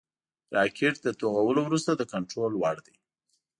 راکټ د توغولو وروسته د کنټرول وړ دی